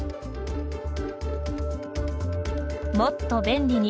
「もっと便利に」